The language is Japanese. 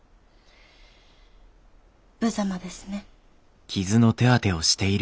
無様ですね。